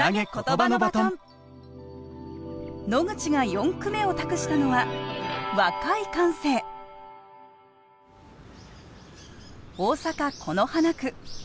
野口が４句目を託したのは大阪・此花区。